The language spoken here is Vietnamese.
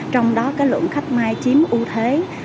trong đó cái lượng khách miles chiếm ưu thế